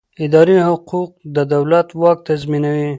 اداري حقوق د دولت واک تنظیموي.